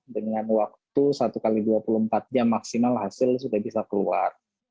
dengan waktu satu x dua puluh empat jam maksimal hasil sudah bisa keluar